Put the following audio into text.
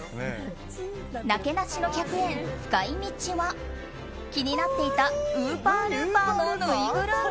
なけなしの１００円使い道は、気になっていたウーパールーパーのぬいぐるみ。